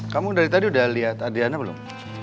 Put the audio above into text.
kamu dari tadi udah lihat adriana belum